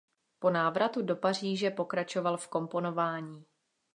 Po návratu do Paříže pokračoval v komponování.